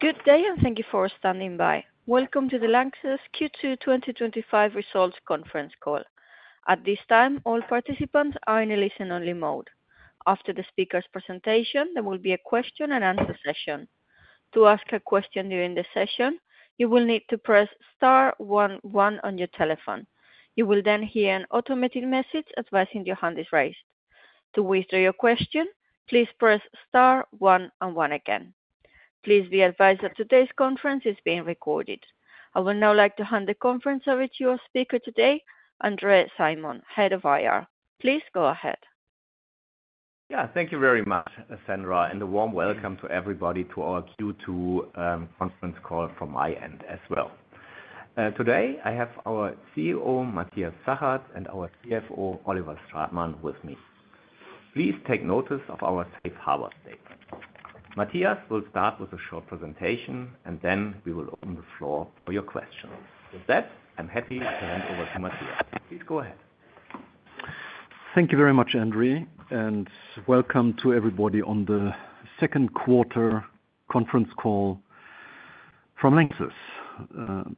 Good day and thank you for standing by. Welcome to the LANXESS Q2 2025 Results Conference Call. At this time, all participants are in a listen-only mode. After the speaker's presentation, there will be a question and answer session. To ask a question during the session, you will need to press star one one on your telephone. You will then hear an automated message advising your hand is raised. To withdraw your question, please press star one and one again. Please be advised that today's conference is being recorded. I would now like to hand the conference over to our speaker today, Andre Simon, Head of IR. Please go ahead. Yeah, thank you very much, Sandra, and a warm welcome to everybody to our Q2 Conference Call from my end as well. Today, I have our CEO, Matthias Zachert, and our CFO, Oliver Stratmann, with me. Please take notice of our safe harbor statement. Matthias will start with a short presentation, and then we will open the floor for your questions. With that, I'm happy to hand over to Matthias. Please go ahead. Thank you very much, Andre, and welcome to everybody on the Second Quarter Conference Call from LANXESS.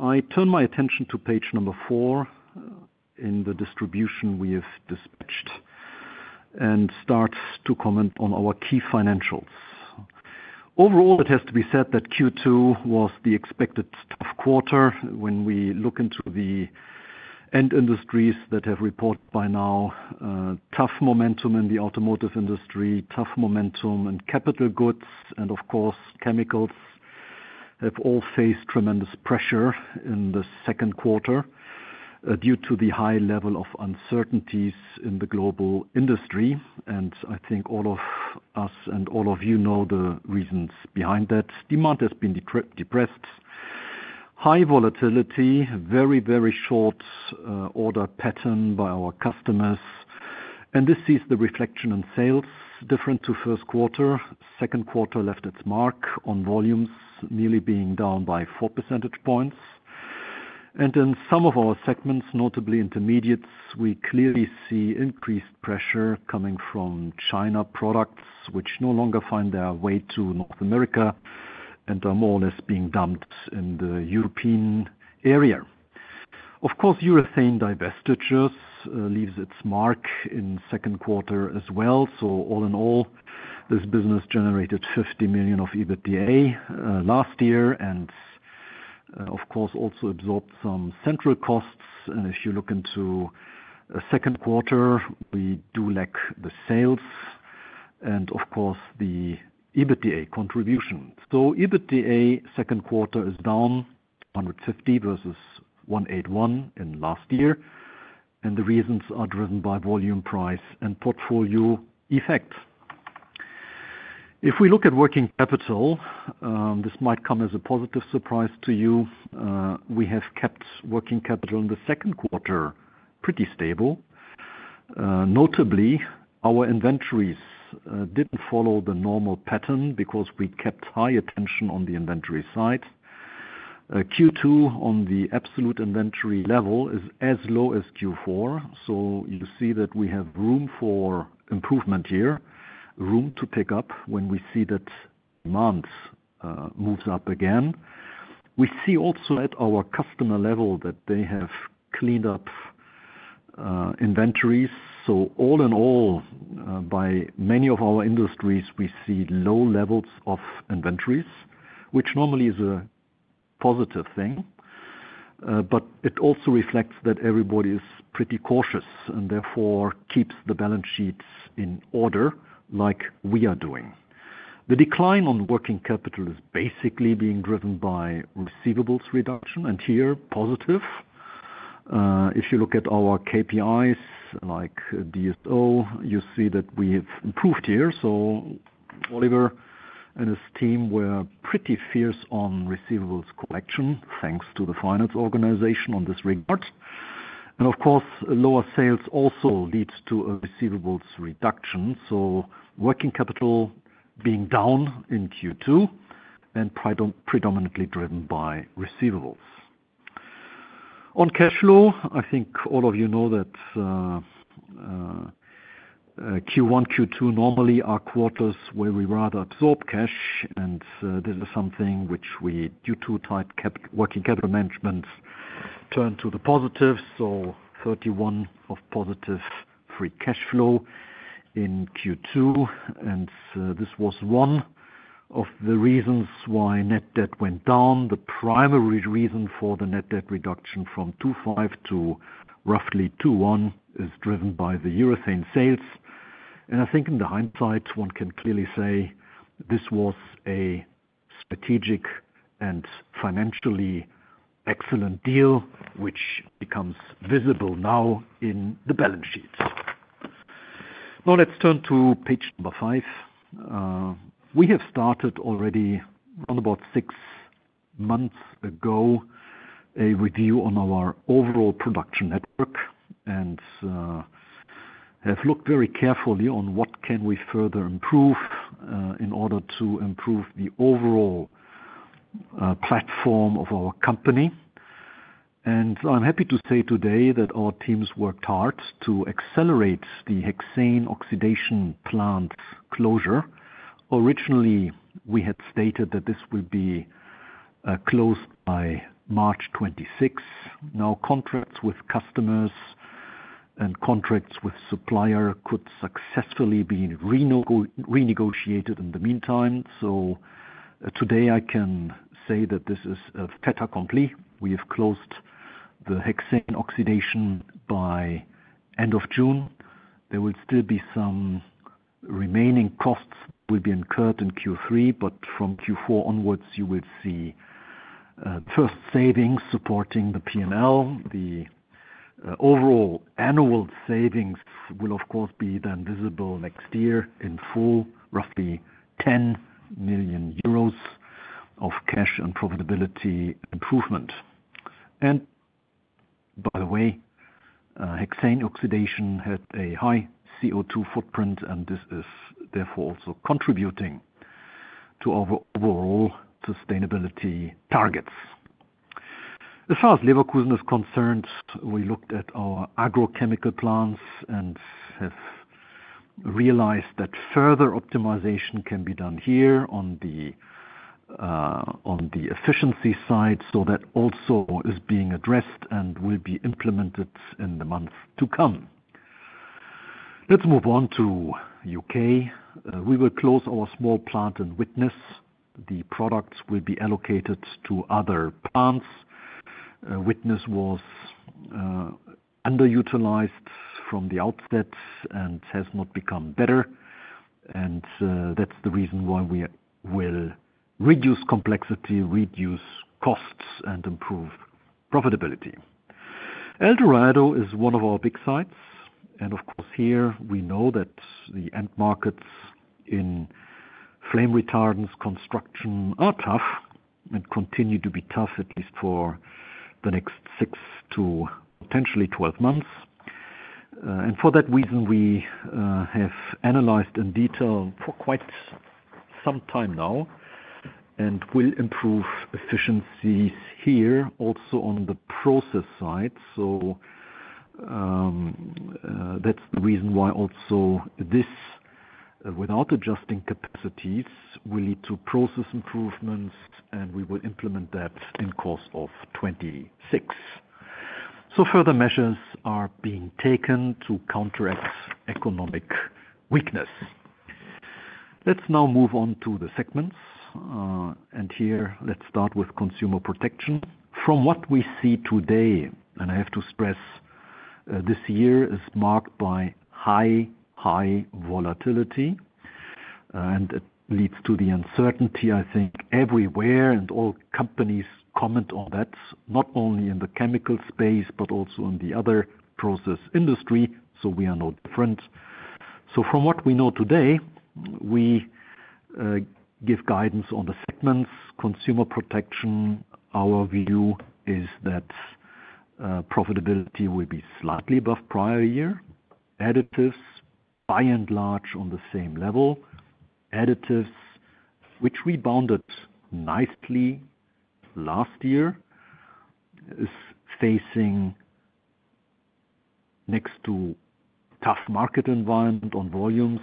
I turn my attention to page number four in the distribution we have dispatched and start to comment on our key financials. Overall, it has to be said that Q2 was the expected tough quarter. When we look into the end industries that have reported by now, tough momentum in the automotive industry, tough momentum in capital goods, and of course, chemicals have all faced tremendous pressure in the second quarter due to the high level of uncertainties in the global industry. I think all of us and all of you know the reasons behind that. Demand has been depressed, high volatility, very, very short order pattern by our customers. This sees the reflection in sales different to first quarter. Second quarter left its mark on volumes, nearly being down by 4 percentage points. In some of our segments, notably Intermediates, we clearly see increased pressure coming from China products, which no longer find their way to North America and are more or less being dumped in the European area. Of course, Urethane divestitures leave its mark in second quarter as well. All in all, this business generated 50 million of EBITDA last year and of course also absorbed some central costs. If you look into the second quarter, we do lack the sales and of course the EBITDA contribution. EBITDA second quarter is down 150 million versus 181 million in last year. The reasons are driven by volume, price, and portfolio effect. If we look at working capital, this might come as a positive surprise to you. We have kept working capital in the second quarter pretty stable. Notably, our inventories did not follow the normal pattern because we kept high attention on the inventory side. Q2 on the absolute inventory level is as low as Q4. You see that we have room for improvement here, room to pick up when we see that demand moves up again. We see also at our customer level that they have cleaned up inventories. All in all, by many of our industries, we see low levels of inventories, which normally is a positive thing. It also reflects that everybody is pretty cautious and therefore keeps the balance sheets in order like we are doing. The decline on working capital is basically being driven by receivables reduction, and here positive. If you look at our KPIs like DSO, you see that we have improved here. Oliver and his team were pretty fierce on receivables collection, thanks to the finance organization in this regard. Of course, lower sales also lead to a receivables reduction. Working capital was down in Q2 and predominantly driven by receivables. On cash flow, I think all of you know that Q1 and Q2 normally are quarters where we rather absorb cash. This is something which we, due to tight working capital management, turned to the positive. 31 million of positive free cash flow in Q2. This was one of the reasons why net debt went down. The primary reason for the net debt reduction from 2.5 billion to roughly 2.1 billion is driven by the Urethane sales. I think in hindsight, one can clearly say this was a strategic and financially excellent deal, which becomes visible now in the balance sheet. Now let's turn to page number five. We have started already around about six months ago a review on our overall production network and have looked very carefully at what we can further improve in order to improve the overall platform of our company. I'm happy to say today that our teams worked hard to accelerate the hexane oxidation plant closure. Originally, we had stated that this would be closed by March 2026. Now, contracts with customers and contracts with suppliers could successfully be renegotiated in the meantime. Today I can say that this is a fait accompli. We have closed the hexane oxidation by the end of June. There will still be some remaining costs that will be incurred in Q3, but from Q4 onwards, you will see the first savings supporting the P&L. The overall annual savings will, of course, be then visible next year in full, roughly 10 million euros of cash and profitability improvement. By the way, hexane oxidation had a high CO2 footprint, and this is therefore also contributing to our overall sustainability targets. As far as Leverkusen is concerned, we looked at our agrochemical plants and have realized that further optimization can be done here on the efficiency side. That also is being addressed and will be implemented in the months to come. Let's move on to the U.K. We will close our small plant in Widnes. The products will be allocated to other plants. Widnes was underutilized from the outset and has not become better. That's the reason why we will reduce complexity, reduce costs, and improve profitability. Eldorado is one of our big sites. Of course, here we know that the end markets in flame retardants, construction are tough and continue to be tough at least for the next 6 to potentially 12 months. For that reason, we have analyzed in detail for quite some time now and will improve efficiencies here also on the process side. That is the reason why also this, without adjusting capacities, will lead to process improvements, and we will implement that in the course of 2026. Further measures are being taken to counteract economic weakness. Let's now move on to the segments. Here, let's start with consumer protection. From what we see today, and I have to stress, this year is marked by high, high volatility. It leads to the uncertainty, I think, everywhere. All companies comment on that, not only in the chemical space but also in the other process industry. We are no different. From what we know today, we give guidance on the segments. consumer protection, our view is that profitability will be slightly above prior year. Additives, by and large, on the same level. Additives, which rebounded nicely last year, are facing next to a tough market environment on volumes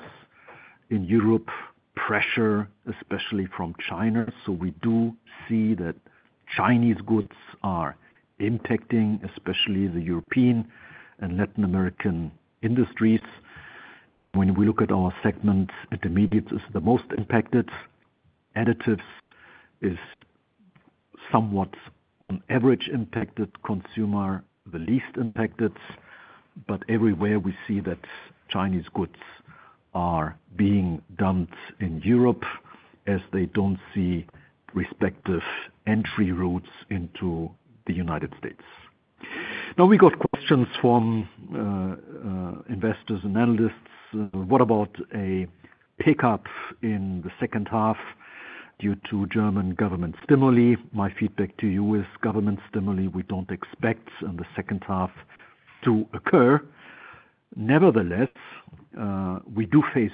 in Europe, pressure especially from China. We do see that Chinese goods are impacting, especially the European and Latin American industries. When we look at our segments, Intermediates are the most impacted. Additives are somewhat, on average, impacted. consumer protection is the least impacted. Everywhere, we see that Chinese goods are being dumped in Europe as they don't see respective entry routes into the United States. We got questions from investors and analysts. What about a pickup in the second half due to German government stimulus? My feedback to you is government stimulus, we don't expect in the second half to occur. Nevertheless, we do face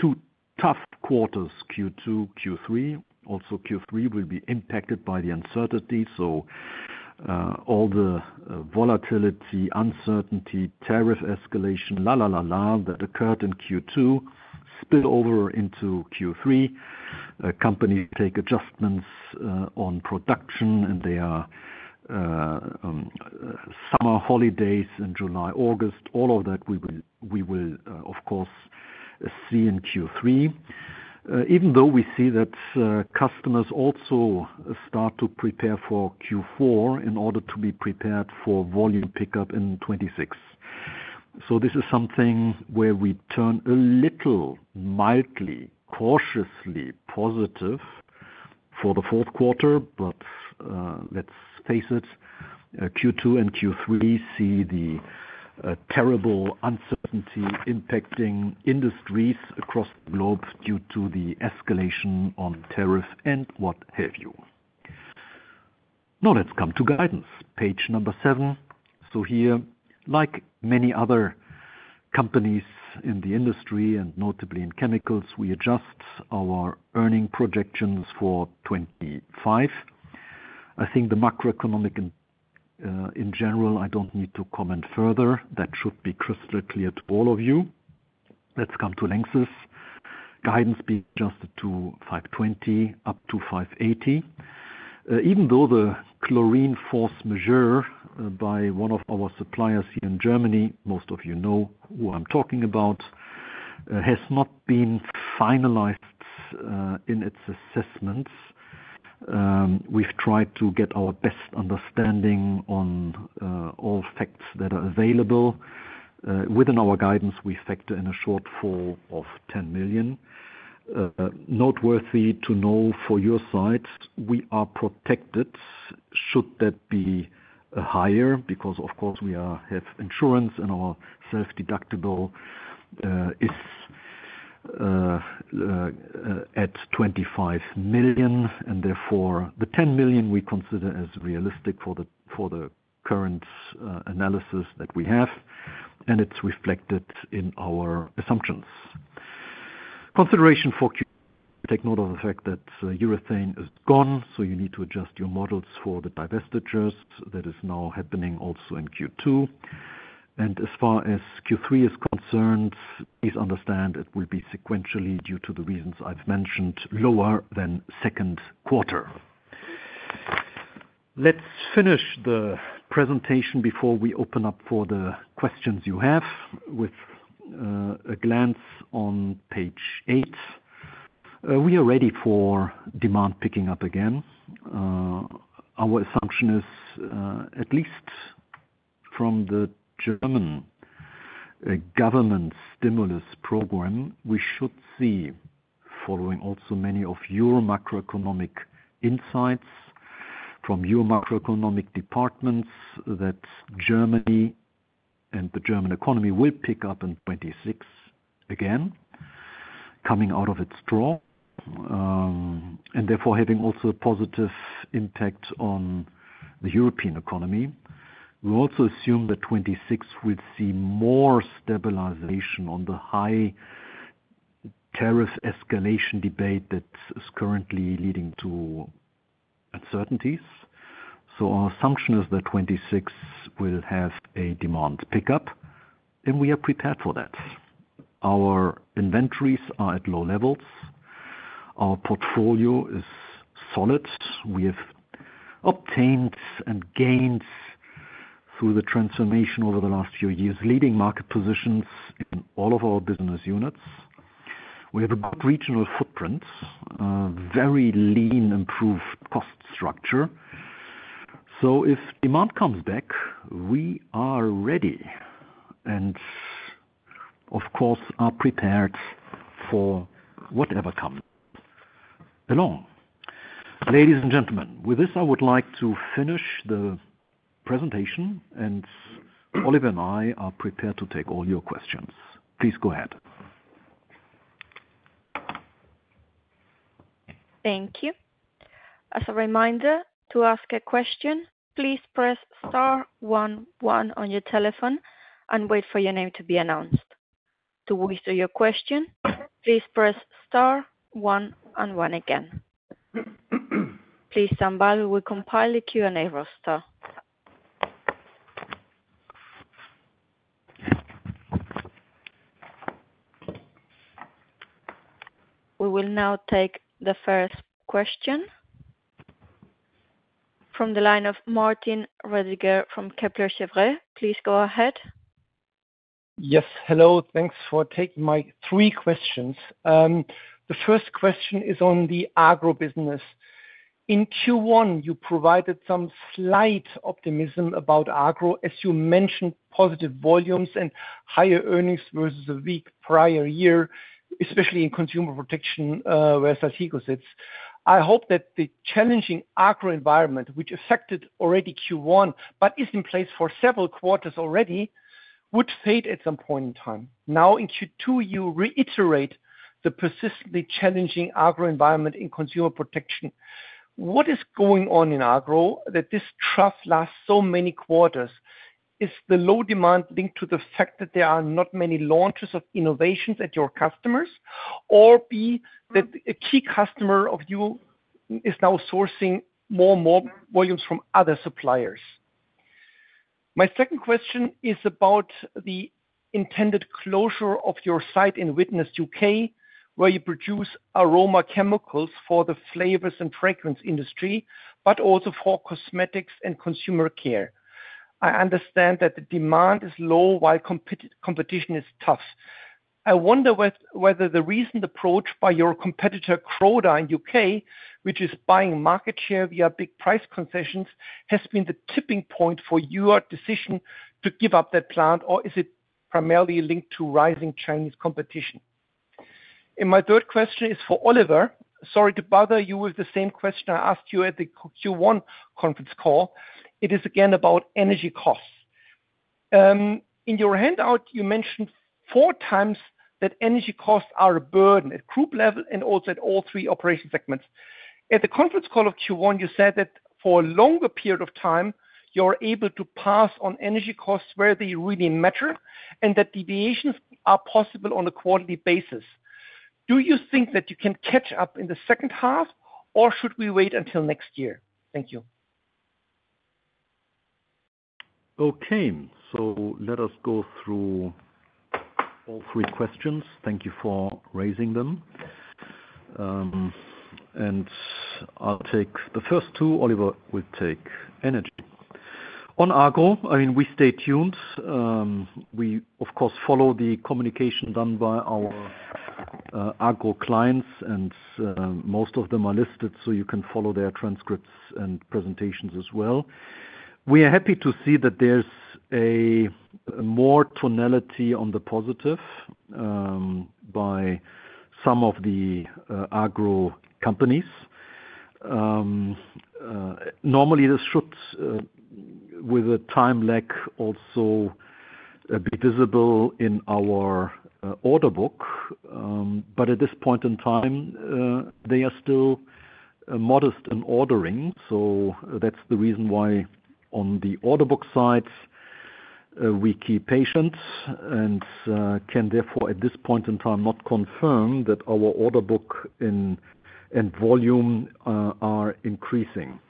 two tough quarters: Q2, Q3. Also, Q3 will be impacted by the uncertainty. All the volatility, uncertainty, tariff escalation, la, la, la, la, that occurred in Q2 spill over into Q3. Companies take adjustments on production, and there are summer holidays in July, August. All of that, we will, of course, see in Q3. Even though we see that customers also start to prepare for Q4 in order to be prepared for volume pickup in 2026. This is something where we turn a little mildly, cautiously positive for the fourth quarter. Let's face it, Q2 and Q3 see the terrible uncertainty impacting industries across the globe due to the escalation on tariffs and what have you. Now, let's come to guidance, page number seven. Here, like many other companies in the industry and notably in chemicals, we adjust our earning projections for 2025. I think the macroeconomic in general, I don't need to comment further. That should be crystal clear to all of you. Let's come to LANXESS. Guidance being adjusted to 520 million up to 580 million. Even though the chlorine force measure by one of our suppliers here in Germany, most of you know who I'm talking about, has not been finalized in its assessments, we've tried to get our best understanding on all facts that are available. Within our guidance, we factor in a shortfall of 10 million. Noteworthy to know for your side, we are protected should that be higher because, of course, we have insurance and our self-deductible is at 25 million. Therefore, the 10 million we consider as realistic for the current analysis that we have, and it's reflected in our assumptions. Consideration for Q2, take note of the fact that Urethane is gone. You need to adjust your models for the divestitures. That is now happening also in Q2. As far as Q3 is concerned, please understand it will be sequentially, due to the reasons I've mentioned, lower than second quarter. Let's finish the presentation before we open up for the questions you have with a glance on page eight. We are ready for demand picking up again. Our assumption is, at least from the German government stimulus program, we should see, following also many of your macroeconomic insights from your macroeconomic departments, that Germany and the German economy will pick up in 2026 again, coming out of its trough and therefore having also a positive impact on the European economy. We also assume that 2026 will see more stabilization on the high tariff escalation debate that is currently leading to uncertainties. Our assumption is that 2026 will have a demand pickup, and we are prepared for that. Our inventories are at low levels. Our portfolio is solid. We have obtained and gained through the transformation over the last few years, leading market positions in all of our business units. We have a regional footprint, a very lean, improved cost structure. If demand comes back, we are ready and, of course, are prepared for whatever comes along. Ladies and gentlemen, with this, I would like to finish the presentation, and Oliver and I are prepared to take all your questions. Please go ahead. Thank you. As a reminder, to ask a question, please press star one one on your telephone and wait for your name to be announced. To withdraw your question, please press star one and one again. Please stand by. We will compile the Q&A roster. We will now take the first question from the line of Martin Roediger from Kepler Cheuvreux. Please go ahead. Yes. Hello. Thanks for taking my three questions. The first question is on the agro business. In Q1, you provided some slight optimism about agro as you mentioned positive volumes and higher earnings versus a weak prior year, especially in consumer protection, where Saltigo sits. I hope that the challenging agro environment, which affected already Q1 but is in place for several quarters already, would fade at some point in time. Now, in Q2, you reiterate the persistently challenging agro environment in consumer protection. What is going on in agro that this trough lasts so many quarters? Is the low demand linked to the fact that there are not many launches of innovations at your customers? Or B, that a key customer of you is now sourcing more and more volumes from other suppliers? My second question is about the intended closure of your site in Widnes, U.K., where you produce aroma chemicals for the flavors and fragrance industry, but also for cosmetics and consumer care. I understand that the demand is low while competition is tough. I wonder whether the recent approach by your competitor, Croda, in the U.K., which is buying market share via big price concessions, has been the tipping point for your decision to give up that plant, or is it primarily linked to rising Chinese competition? My third question is for Oliver. Sorry to bother you with the same question I asked you at the Q1 conference call. It is again about energy costs. In your handout, you mentioned four times that energy costs are a burden at group level and also at all three operation segments. At the conference call of Q1, you said that for a longer period of time, you're able to pass on energy costs where they really matter and that deviations are possible on a quarterly basis. Do you think that you can catch up in the second half, or should we wait until next year? Thank you. Okay. Let us go through all three questions. Thank you for raising them. I'll take the first two. Oliver will take energy. On agro, we stay tuned. We, of course, follow the communication done by our agro clients, and most of them are listed, so you can follow their transcripts and presentations as well. We are happy to see that there's a more tonality on the positive by some of the agro companies. Normally, this should, with a time lag, also be visible in our order book. At this point in time, they are still modest in ordering. That's the reason why on the order book side, we keep patient and can therefore, at this point in time, not confirm that our order book and volume are increasing.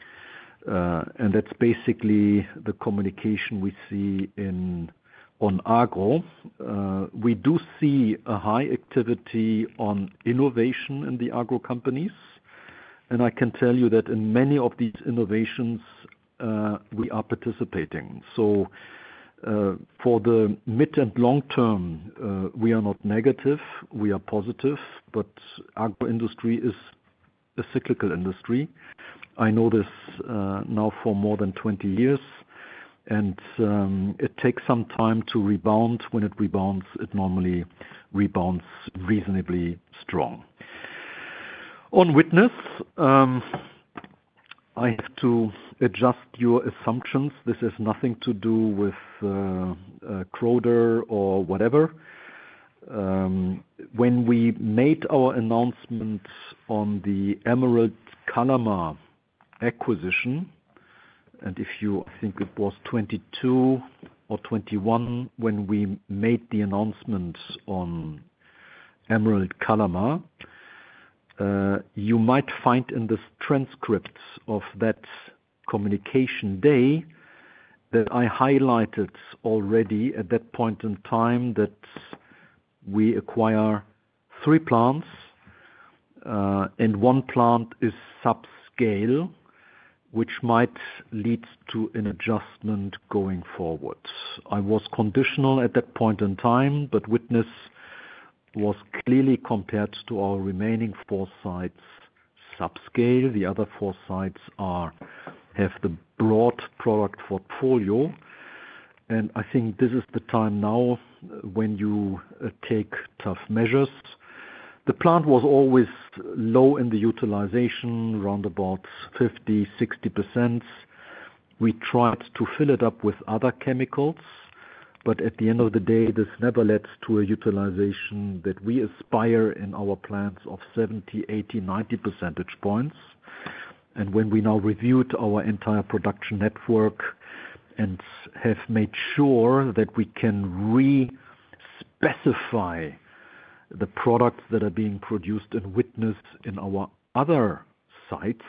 That's basically the communication we see on agro. We do see a high activity on innovation in the agro companies. I can tell you that in many of these innovations, we are participating. For the mid and long term, we are not negative. We are positive, but the agro industry is a cyclical industry. I know this now for more than 20 years, and it takes some time to rebound. When it rebounds, it normally rebounds reasonably strong. On Widnes, I have to adjust your assumptions. This has nothing to do with Croda or whatever. When we made our announcement on the Emerald Kalama acquisition, and if you think it was 2022 or 2021 when we made the announcement on Emerald Kalama, you might find in these transcripts of that communication day that I highlighted already at that point in time that we acquire three plants, and one plant is subscale, which might lead to an adjustment going forwards. I was conditional at that point in time, but Widnes was clearly compared to our remaining four sites subscale. The other four sites have the broad product portfolio. I think this is the time now when you take tough measures. The plant was always low in the utilization, around about 50%, 60%. We tried to fill it up with other chemicals. At the end of the day, this never led to a utilization that we aspire in our plants of 70, 80, 90 percentage points. When we now reviewed our entire production network and have made sure that we can re-specify the products that are being produced in Widnes in our other sites,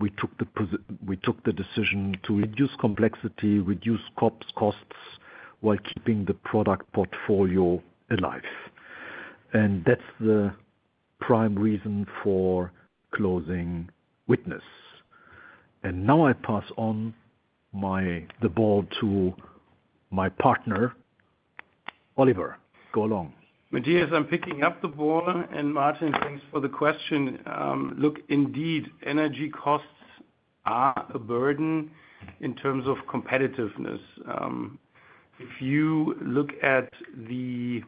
we took the decision to reduce complexity, reduce costs while keeping the product portfolio alive. That's the prime reason for closing Widnes. Now I pass on the ball to my partner, Oliver. Go along. Matthias, I'm picking up the ball. Martin, thanks for the question. Look, indeed, energy costs are a burden in terms of competitiveness. If you look at the,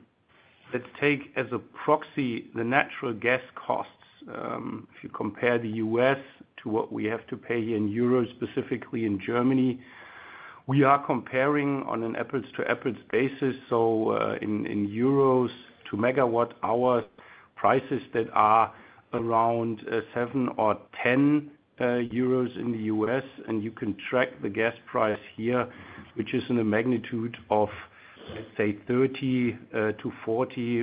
let's take as a proxy, the natural gas costs. If you compare the U.S. to what we have to pay here in euros, specifically in Germany, we are comparing on an apples-to-apples basis. In euros to megawatt-hour, prices are around 7 or 10 euros in the U.S. You can track the gas price here, which is in the magnitude of, let's say, 30-40,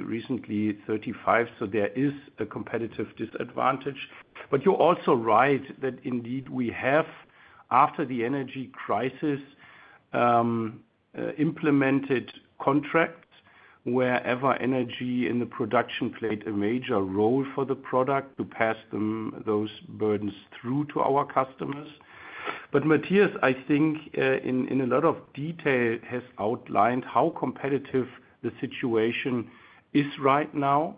recently 35. There is a competitive disadvantage. You're also right that indeed we have, after the energy crisis, implemented contracts wherever energy in the production played a major role for the product to pass those burdens through to our customers. Matthias, I think in a lot of detail has outlined how competitive the situation is right now.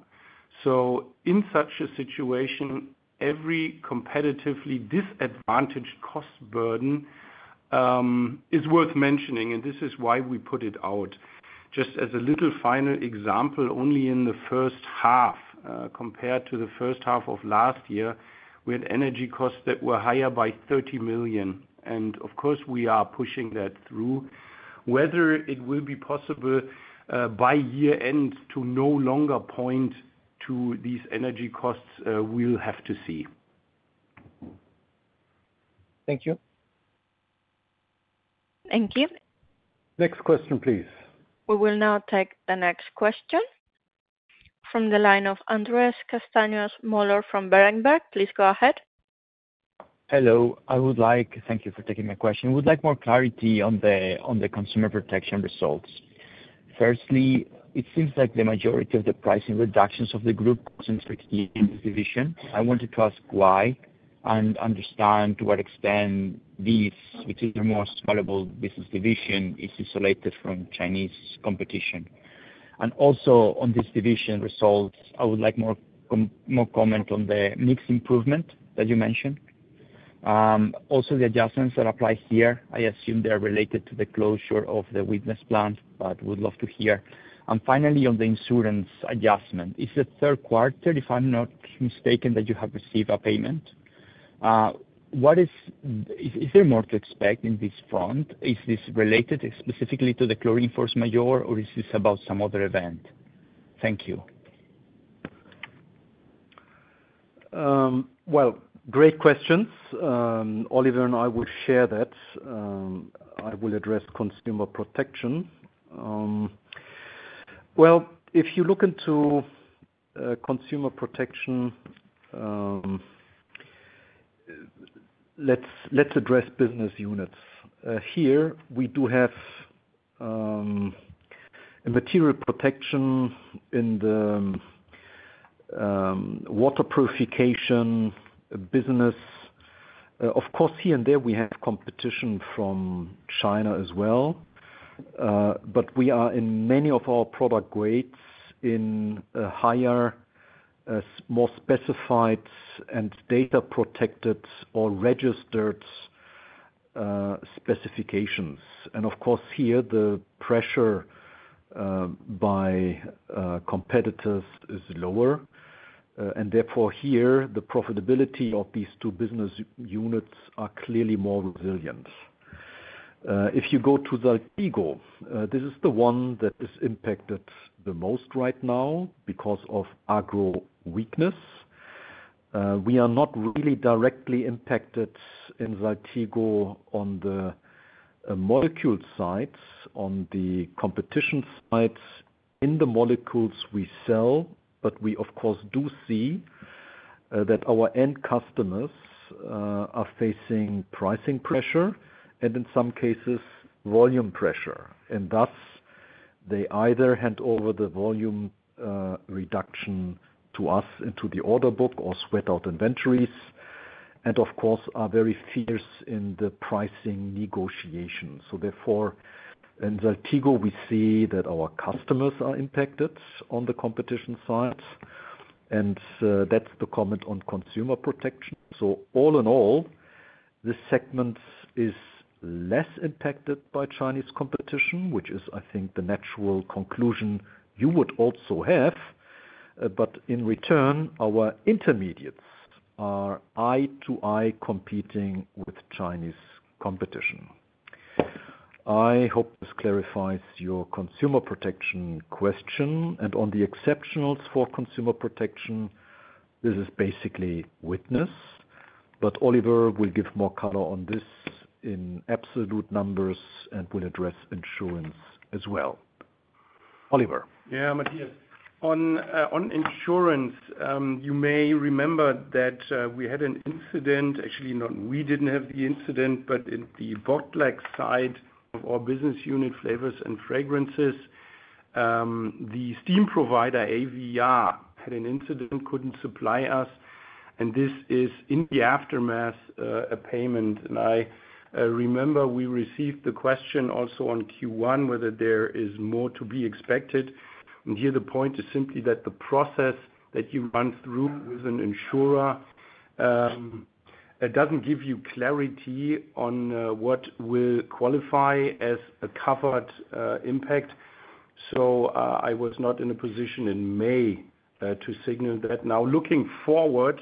In such a situation, every competitively disadvantaged cost burden is worth mentioning. This is why we put it out. Just as a little final example, only in the first half compared to the first half of last year, we had energy costs that were higher by 30 million. Of course, we are pushing that through. Whether it will be possible by year end to no longer point to these energy costs, we'll have to see. Thank you. Thank you. Next question, please. We will now take the next question from the line of Andres Castanos-Mollor from Berenberg. Please go ahead. Hello. Thank you for taking my question. I would like more clarity on the consumer protection results. Firstly, it seems like the majority of the pricing reductions of the group sit fixed in this division. I wanted to ask why and understand to what extent this, which is the most valuable business division, is isolated from Chinese competition. Also, on this division results, I would like more comment on the mix improvement that you mentioned. The adjustments that apply here, I assume they are related to the closure of the Widnes plant, but would love to hear. Finally, on the insurance adjustment, it's the third quarter, if I'm not mistaken, that you have received a payment. Is there more to expect on this front? Is this related specifically to the chlorine force majeure, or is this about some other event? Thank you. Great questions. Oliver and I will share that. I will address consumer protection. If you look into consumer protection, let's address business units. Here, we do have material protection and the water purification business. Of course, here and there, we have competition from China as well. We are in many of our product grades in higher, more specified, and data-protected or registered specifications. Of course, here, the pressure by competitors is lower. Therefore, the profitability of these two business units is clearly more resilient. If you go to Saltigo, this is the one that is impacted the most right now because of agro weakness. We are not really directly impacted in Saltigo on the molecule sides. On the competition sides, in the molecules we sell, we do see that our end customers are facing pricing pressure and, in some cases, volume pressure. Thus, they either hand over the volume reduction to us into the order book or sweat out inventories and are very fierce in the pricing negotiations. Therefore, in Saltigo, we see that our customers are impacted on the competition side. That's the comment on consumer protection. All in all, this segment is less impacted by Chinese competition, which is, I think, the natural conclusion you would also have. In return, our intermediates are eye-to-eye competing with Chinese competition. I hope this clarifies your consumer protection question. On the exceptionals for consumer protection, this is basically Widnes. Oliver will give more color on this in absolute numbers and will address insurance as well. Oliver? Yeah, Matthias. On insurance, you may remember that we had an incident. Actually, we didn't have the incident, but in the bottleneck side of our business unit, flavors and fragrances, the steam provider, AVR, had an incident, couldn't supply us. This is in the aftermath, a payment. I remember we received the question also on Q1 whether there is more to be expected. The point is simply that the process that you run through as an insurer doesn't give you clarity on what will qualify as a covered impact. I was not in a position in May to signal that. Now, looking forward,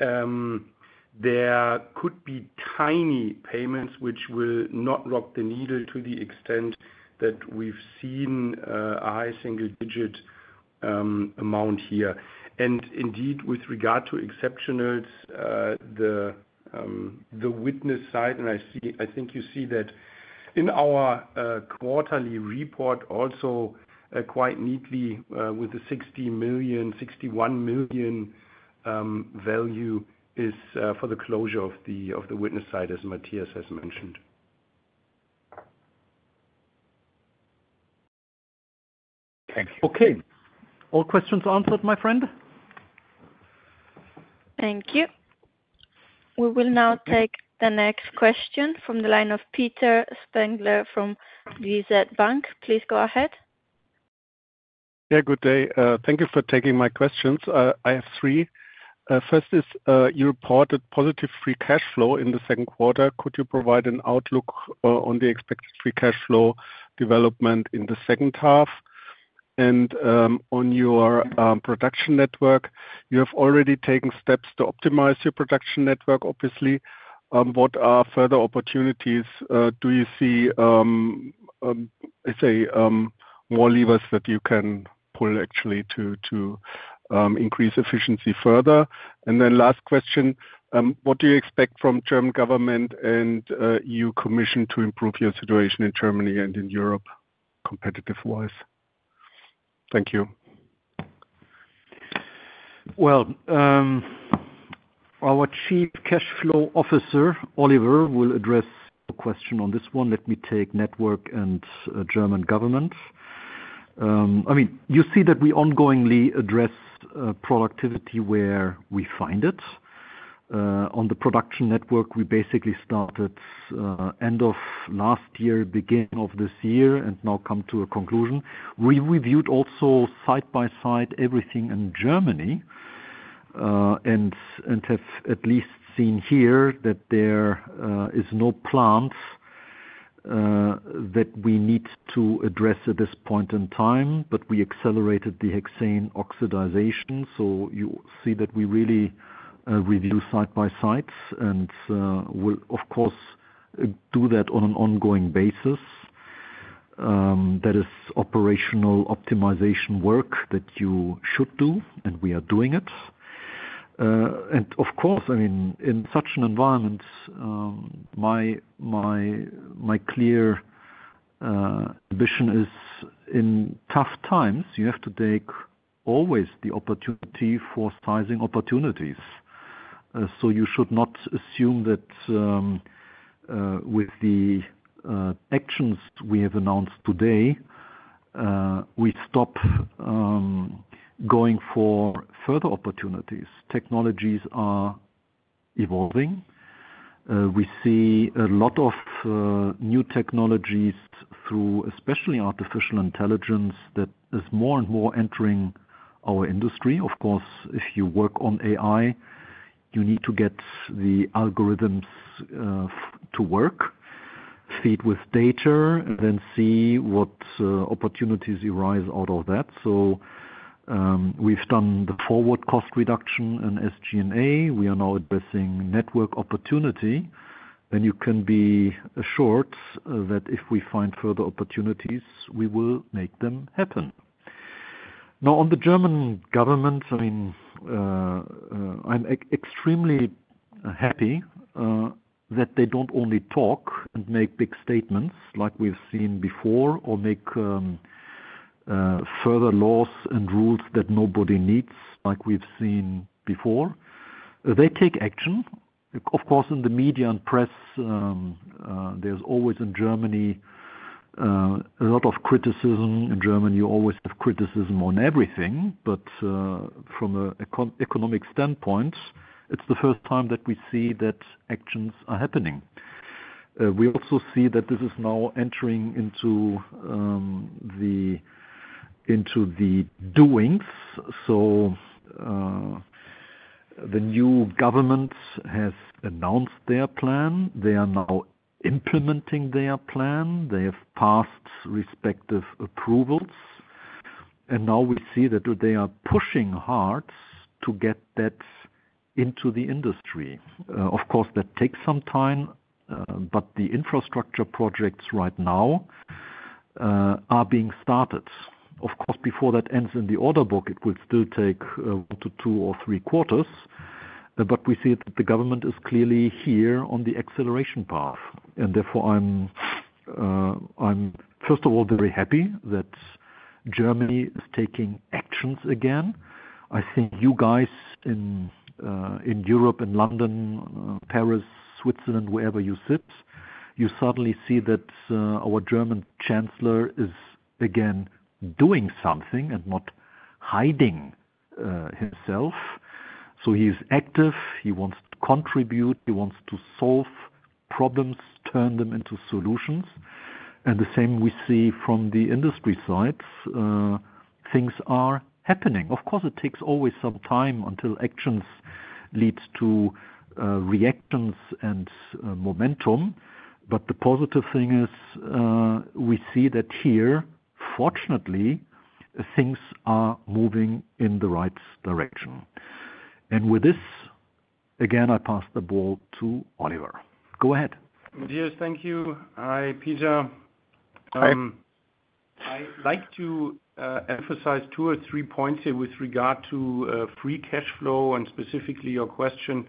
there could be tiny payments which will not rock the needle to the extent that we've seen a high single-digit amount here. Indeed, with regard to exceptionals, the Widnes site, and I think you see that in our quarterly report also, quite neatly, with the 60 million, 61 million value is for the closure of the Widnes site, as Matthias has mentioned. Thank you. Okay, all questions answered, my friend. Thank you. We will now take the next question from the line of Peter Spengler from DZ Bank. Please go ahead. Yeah, good day. Thank you for taking my questions. I have three. First is you reported positive free cash flow in the second quarter. Could you provide an outlook on the expected free cash flow development in the second half? On your production network, you have already taken steps to optimize your production network, obviously. What are further opportunities? Do you see, let's say, more levers that you can pull actually to increase efficiency further? Last question, what do you expect from the German government and E.U. Commission to improve your situation in Germany and in Europe competitive-wise? Thank you. Our Chief Cash Flow Officer, Oliver, will address your question on this one. Let me take network and German government. I mean, you see that we ongoingly address productivity where we find it. On the production network, we basically started end of last year, beginning of this year, and now come to a conclusion. We reviewed also side by side everything in Germany and have at least seen here that there is no plant that we need to address at this point in time, but we accelerated the hexane oxidation. You see that we really review side by side and will, of course, do that on an ongoing basis. That is operational optimization work that you should do, and we are doing it. Of course, I mean, in such an environment, my clear ambition is in tough times, you have to take always the opportunity for sizing opportunities. You should not assume that with the actions we have announced today, we stop going for further opportunities. Technologies are evolving. We see a lot of new technologies through especially artificial intelligence that is more and more entering our industry. Of course, if you work on AI, you need to get the algorithms to work, feed with data, and then see what opportunities arise out of that. We have done the FORWARD! cost reduction and SG&A. We are now addressing network opportunity. You can be assured that if we find further opportunities, we will make them happen. Now, on the German government, I am extremely happy that they do not only talk and make big statements like we have seen before or make further laws and rules that nobody needs like we have seen before. They take action. Of course, in the media and press, there is always in Germany a lot of criticism. In Germany, you always have criticism on everything. From an economic standpoint, it is the first time that we see that actions are happening. We also see that this is now entering into the doings. The new government has announced their plan. They are now implementing their plan. They have passed respective approvals. Now we see that they are pushing hard to get that into the industry. Of course, that takes some time, but the infrastructure projects right now are being started. Before that ends in the order book, it will still take one to two or three quarters. We see that the government is clearly here on the acceleration path. Therefore, I am, first of all, very happy that Germany is taking actions again. I think you guys in Europe, in London, Paris, Switzerland, wherever you sit, you suddenly see that our German Chancellor is again doing something and not hiding himself. He's active. He wants to contribute. He wants to solve problems, turn them into solutions. The same we see from the industry sides. Things are happening. Of course, it takes always some time until actions lead to reactions and momentum. The positive thing is we see that here, fortunately, things are moving in the right direction. With this, again, I pass the ball to Oliver. Go ahead. Matthias, thank you. Hi, Peter. I'd like to emphasize two or three points here with regard to free cash flow and specifically your question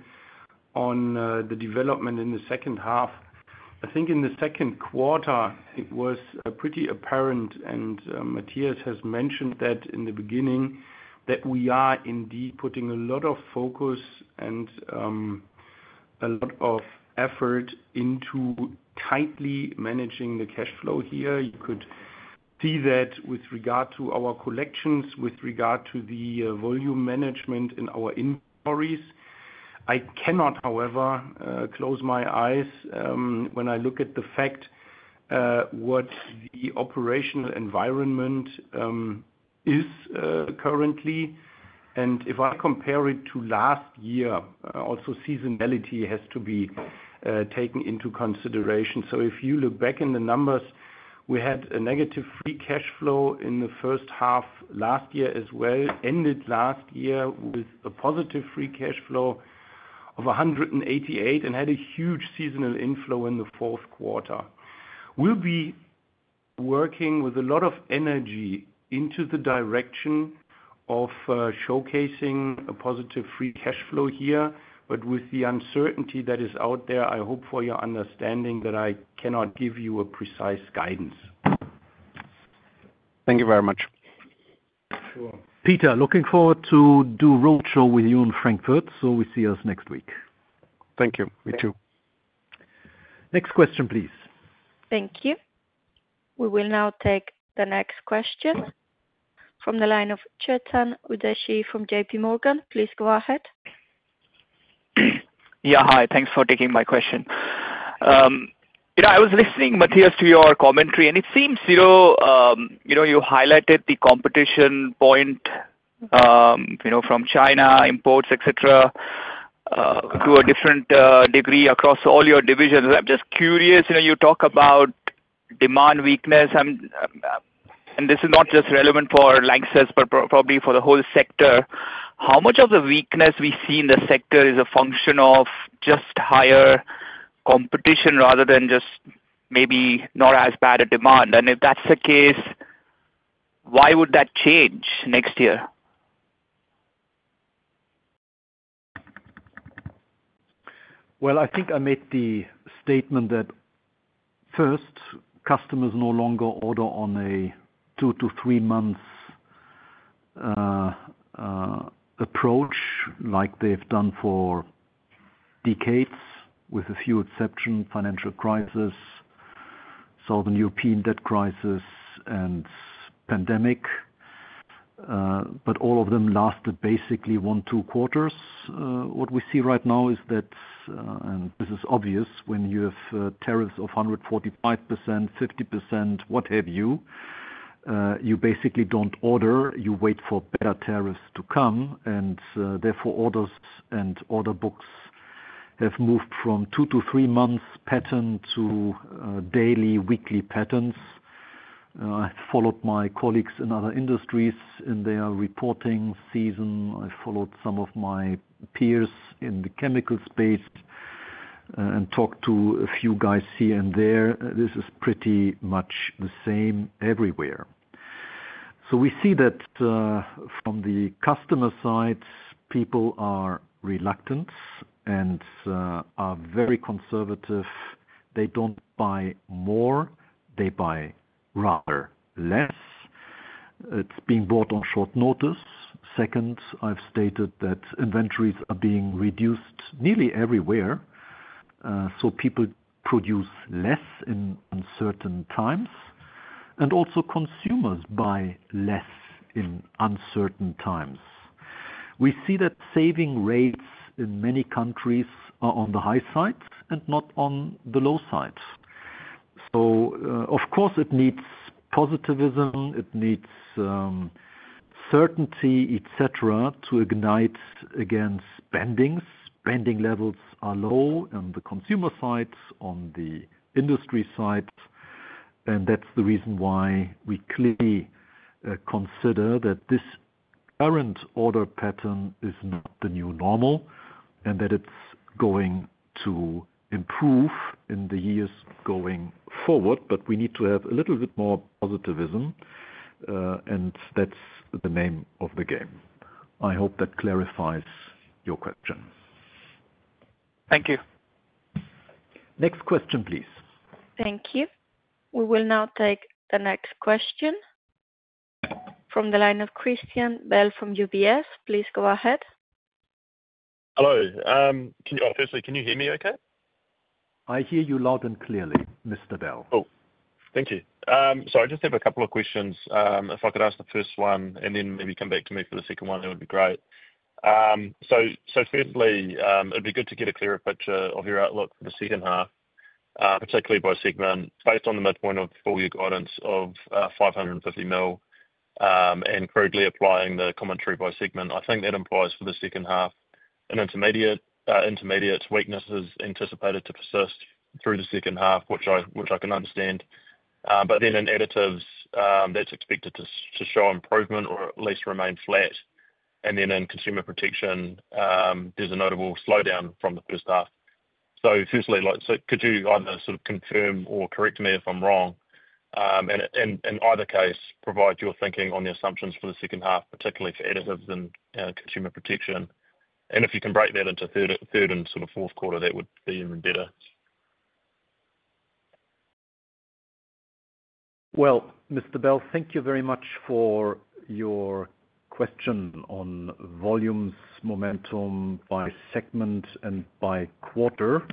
on the development in the second half. I think in the second quarter, it was pretty apparent, and Matthias has mentioned that in the beginning, that we are indeed putting a lot of focus and a lot of effort into tightly managing the cash flow here. You could see that with regard to our collections, with regard to the volume management in our inquiries. I cannot, however, close my eyes when I look at the fact what the operational environment is currently. If I compare it to last year, also seasonality has to be taken into consideration. If you look back in the numbers, we had a negative free cash flow in the first half last year as well, ended last year with a positive free cash flow of 188 million and had a huge seasonal inflow in the fourth quarter. We'll be working with a lot of energy into the direction of showcasing a positive free cash flow here. With the uncertainty that is out there, I hope for your understanding that I cannot give you a precise guidance. Thank you very much. Sure. Peter, looking forward to doing a roadshow with you in Frankfurt. We see you next week. Thank you. Me too. Next question, please. Thank you. We will now take the next question from the line of Chetan Udeshi from JPMorgan. Please go ahead. Yeah, hi. Thanks for taking my question. I was listening, Matthias, to your commentary, and it seems you highlighted the competition point from China, imports, etc., to a different degree across all your divisions. I'm just curious, you talk about demand weakness. This is not just relevant for LANXESS, but probably for the whole sector. How much of the weakness we see in the sector is a function of just higher competition rather than just maybe not as bad a demand? If that's the case, why would that change next year? I think I made the statement that first, customers no longer order on a two to three months approach like they have done for decades, with a few exceptions, financial crisis, Southern European debt crisis, and pandemic. All of them lasted basically one or two quarters. What we see right now is that, and this is obvious, when you have tariffs of 145%, 50%, what have you, you basically don't order. You wait for better tariffs to come. Therefore, orders and order books have moved from a two to three months pattern to daily, weekly patterns. I followed my colleagues in other industries in their reporting season. I followed some of my peers in the chemical space and talked to a few guys here and there. This is pretty much the same everywhere. We see that from the customer side, people are reluctant and are very conservative. They don't buy more. They buy rather less. It's being bought on short notice. Second, I've stated that inventories are being reduced nearly everywhere. People produce less in uncertain times. Also, consumers buy less in uncertain times. We see that saving rates in many countries are on the high sides and not on the low sides. Of course, it needs positivism. It needs certainty, etc., to ignite again spendings. Spending levels are low on the consumer side, on the industry side. That's the reason why we clearly consider that this current order pattern is not the new normal and that it's going to improve in the years going forward. We need to have a little bit more positivism. That's the name of the game. I hope that clarifies your question. Thank you. Next question, please. Thank you. We will now take the next question from the line of Christian Bell from UBS. Please go ahead. Hello. Firstly, can you hear me okay? I hear you loud and clear, Mr. Bell. Thank you. I just have a couple of questions. If I could ask the first one and then maybe come back to me for the second one, that would be great. It would be good to get a clearer picture of your outlook for the second half, particularly by segment, based on the midpoint of full-year guidance of 550 million and currently applying the commentary by segment. I think that implies for the second half, an Intermediates weakness is anticipated to persist through the second half, which I can understand. In additives, that's expected to show improvement or at least remain flat. In consumer protection, there's a notable slowdown from the first half. Could you either confirm or correct me if I'm wrong? In either case, provide your thinking on the assumptions for the second half, particularly for additives and consumer protection. If you can break that into third and fourth quarter, that would be even better. Mr. Bell, thank you very much for your question on volumes, momentum by segment, and by quarter.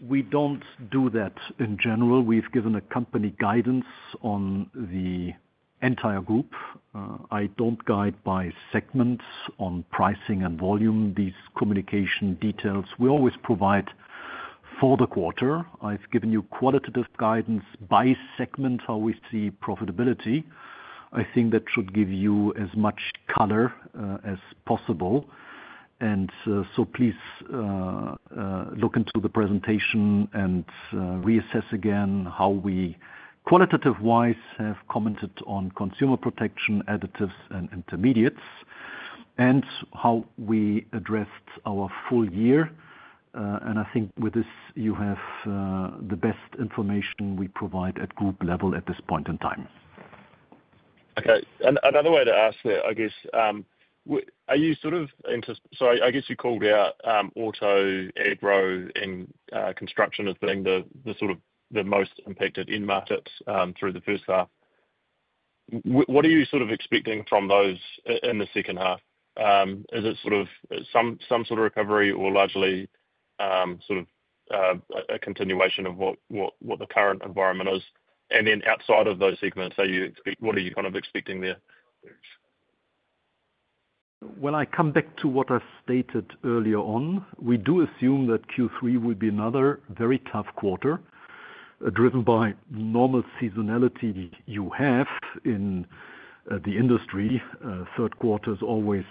We don't do that in general. We've given a company guidance on the entire group. I don't guide by segment on pricing and volume. These communication details we always provide for the quarter. I've given you qualitative guidance by segment how we see profitability. I think that should give you as much color as possible. Please look into the presentation and reassess again how we qualitative-wise have commented on consumer protection, Additives, and Intermediates, and how we addressed our full year. I think with this, you have the best information we provide at group level at this point in time. Okay. Are you sort of interested? You called out auto, agro, and construction as being the most impacted in-market through the first half. What are you expecting from those in the second half? Is it some sort of recovery or largely a continuation of what the current environment is? Outside of those segments, what are you expecting there? I come back to what I stated earlier on. We do assume that Q3 will be another very tough quarter, driven by the normal seasonality you have in the industry. The third quarter is always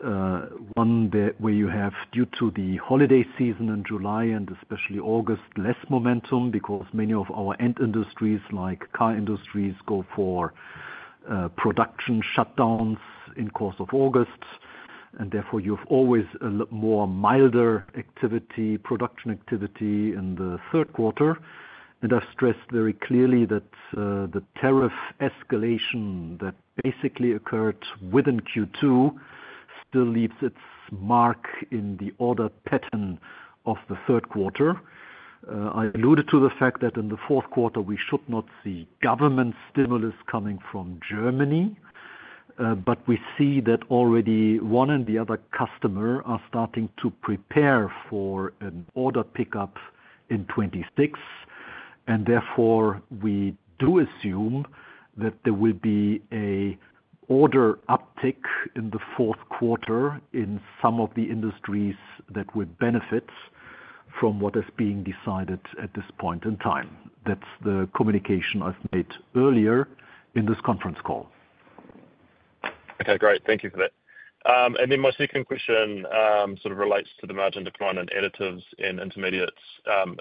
one where you have, due to the holiday season in July and especially August, less momentum because many of our end industries like car industries go for production shutdowns in the course of August. Therefore, you have always a more milder activity, production activity in the third quarter. I've stressed very clearly that the tariff escalation that basically occurred within Q2 still leaves its mark in the order pattern of the third quarter. I alluded to the fact that in the fourth quarter, we should not see government stimulus coming from Germany. We see that already one and the other customer are starting to prepare for an order pickup in 2026. Therefore, we do assume that there will be an order uptick in the fourth quarter in some of the industries that would benefit from what is being decided at this point in time. That's the communication I've made earlier in this conference call. Okay, great. Thank you for that. My second question sort of relates to the margin deployment additives and intermediates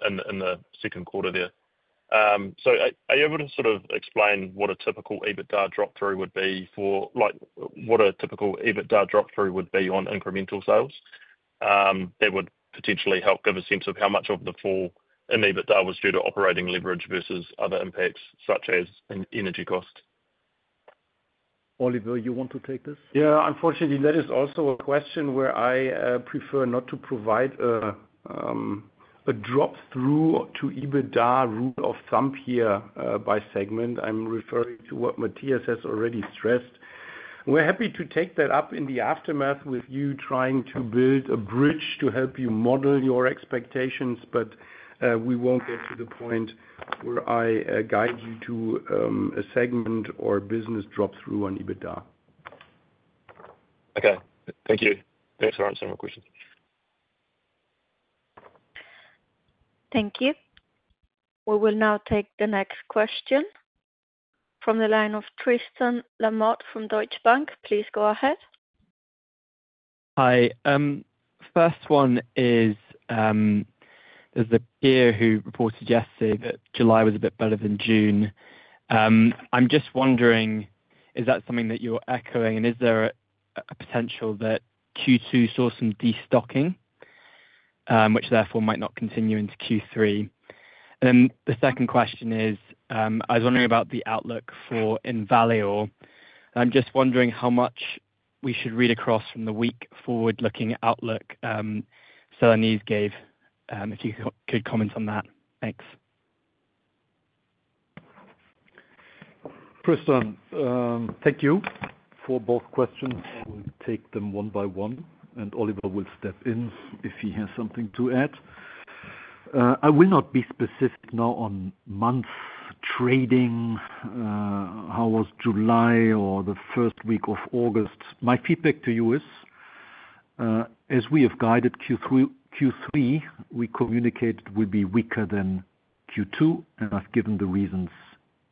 in the second quarter there. Are you able to sort of explain what a typical EBITDA drop-through would be for like what a typical EBITDA drop-through would be on incremental sales? That would potentially help give a sense of how much of the fall in EBITDA was due to operating leverage versus other impacts such as energy cost. Oliver, you want to take this? Yeah, unfortunately, that is also a question where I prefer not to provide a drop-through to EBITDA rule of thumb here by segment. I'm referring to what Matthias has already stressed. We're happy to take that up in the aftermath with you, trying to build a bridge to help you model your expectations, but we won't get to the point where I guide you to a segment or a business drop-through on EBITDA. Okay, thank you. Thanks for answering my question. Thank you. We will now take the next question from the line of Tristan Lamotte from Deutsche Bank. Please go ahead. Hi. First one is, there's a peer who reported yesterday that July was a bit better than June. I'm just wondering, is that something that you're echoing? Is there a potential that Q2 saw some destocking, which therefore might not continue into Q3? The second question is, I was wondering about the outlook for Envalior. I'm just wondering how much we should read across from the weak forward-looking outlook Solvay gave, if you could comment on that. Thanks. Tristan, thank you for both questions. We'll take them one by one, and Oliver will step in if he has something to add. I will not be specific now on month trading, how was July or the first week of August. My feedback to you is, as we have guided Q3, we communicated we'd be weaker than Q2. I've given the reasons